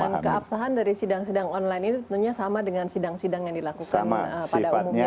dan keabsahan dari sidang sidang online itu tentunya sama dengan sidang sidang yang dilakukan pada umumnya sebelumnya ya pak ya